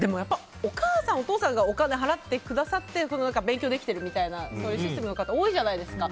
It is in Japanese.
お母さん、お父さんがお金払ってくださって勉強できているみたいな方が多いじゃないですか。